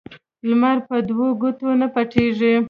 لمر په دوو ګوتو نه پټېږي